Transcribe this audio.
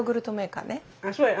あそうや。